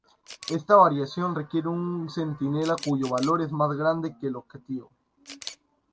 Esta variación requiere un centinela cuyo valor es más grande que el objetivo.